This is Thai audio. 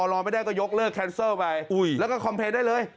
รอไม่ได้ก็ยกเลิกแคนเซอร์ไปแล้วก็คอมเพลย์ได้เลย